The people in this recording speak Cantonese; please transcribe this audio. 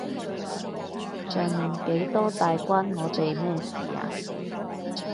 上面幾多大關我哋乜事啊？